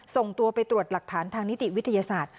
ส่งตัวไปตรวจหลักฐานทางนิติวิทยาศาสตร์